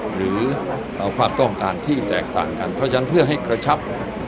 หรือเอาความต้องการที่แตกต่างกันเพราะฉะนั้นเพื่อให้กระชับ